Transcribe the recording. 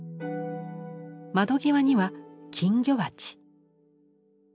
窓際には金魚鉢。